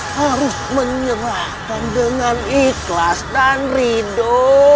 harus menyerahkan dengan ikhlas dan rindu